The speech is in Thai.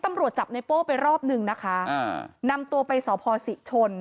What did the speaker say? ตำรวจจับในโป้ไปรอบหนึ่งนะคะอ่านำตัวไปสพศรีชน